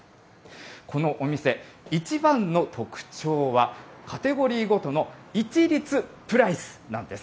このお店、一番の特徴は、カテゴリーごとの一律プライスなんです。